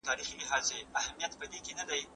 زه اوس سندري اورم!